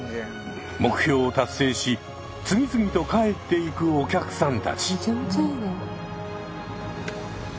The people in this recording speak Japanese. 目標を達成し次々と帰っていくお客さんたち。